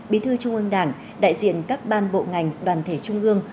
bí thư trung ương đảng đại diện các ban bộ ngành đoàn thể trung ương